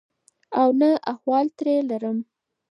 او نه احوال ترې لرم.